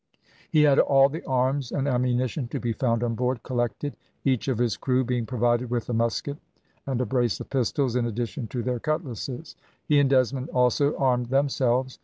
He had all the arms and ammunition to be found on board collected, each of his crew being provided with a musket and a brace of pistols, in addition to their cutlasses; he and Desmond also armed themselves.